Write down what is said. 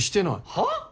はっ！？